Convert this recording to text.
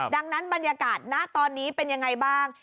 ดังนั้นบรรยากาศณตอนนี้เป็นยังไงบ้าง